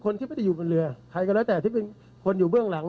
ก็ต้องดูถึงวันนั้นแต่ไม่เกิน๗๑๕วัน